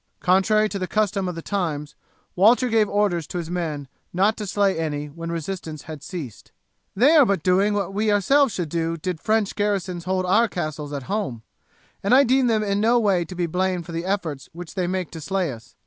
Contrary to the custom of the times, Walter gave orders to his men not to slay any when resistance had ceased. "They are but doing what we ourselves should do did French garrisons hold our castles at home, and I deem them in no way to be blamed for the efforts which they make to slay us.